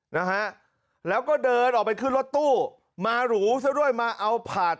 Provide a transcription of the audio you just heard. นะฮะแล้วก็เดินออกไปขึ้นรถตู้มาหรูซะด้วยมาเอาผาด